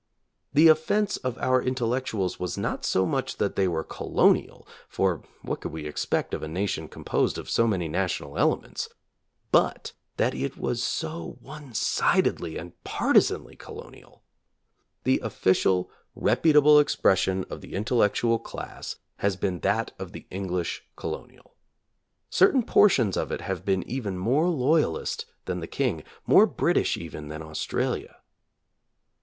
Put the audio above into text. The offense of our intellectuals was not so much that they were colonial — for what could we expect of a nation composed of so many national elements"? — but that it was so one sidedly and partisanly colonial. The official, reputable expression of the intellectual class has been that of the English colonial. Certain portions of it have been even more loyalist than the King, more British even than Australia.